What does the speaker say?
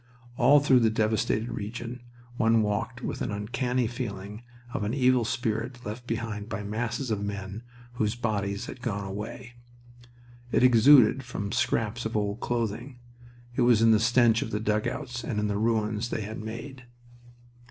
All through the devastated region one walked with an uncanny feeling of an evil spirit left behind by masses of men whose bodies had gone away. It exuded from scraps of old clothing, it was in the stench of the dugouts and in the ruins they had made.